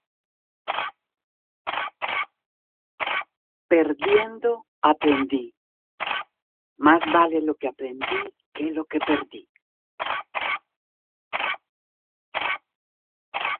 Perdiendo aprendi: mas vale lo que aprendi que lo que perdi.